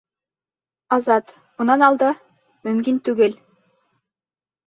Азат, унан алда... мөмкин түгел!